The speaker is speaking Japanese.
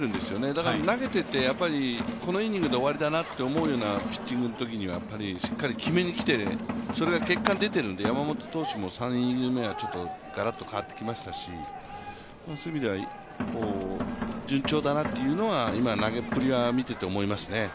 だから投げててこのイニングで終わりだなというピッチングのときにはしっかり決めにきて、それが結果に出てるので山本投手は３イニング目はガラッと変わってきましたし、そういう意味では順調だなっていうのは今投げっぷり見てて思いますね。